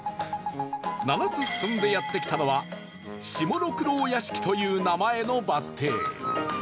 ７つ進んでやって来たのは下六郎屋敷という名前のバス停